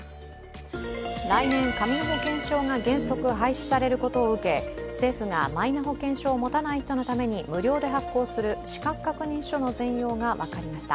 来年、紙の保険証が原則廃止されることを受け政府がマイナ保険証を持たない人のために無料で発行する資格確認書の全容が分かりました。